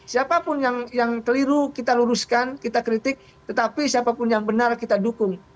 siapapun yang keliru kita luruskan kita kritik tetapi siapapun yang benar kita dukung